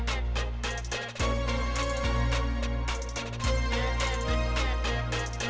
toh kate menyeng loc infomilkah si tasha